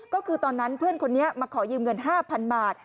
ก็คือตอนนั้นเพื่อนคนนี้มาขอยืมเงิน๕๐๐๐บาท